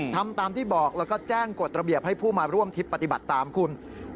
ทำตามที่บอกแล้วก็แจ้งกฎระเบียบให้ผู้มาร่วมทิพย์ปฏิบัติตามคุณ